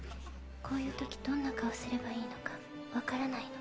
こういう時どんな顔すればいいのか、分からないの。